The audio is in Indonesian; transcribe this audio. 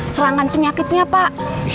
serangan penyakitnya pak